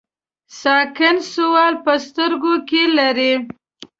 ساکن سوال په سترګو کې لري.